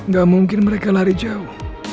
gak mungkin mereka lari jauh